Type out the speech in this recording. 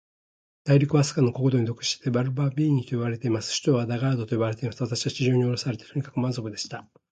大陸は、飛島の国王に属していて、バルニバービといわれています。首府はラガードと呼ばれています。私は地上におろされて、とにかく満足でした。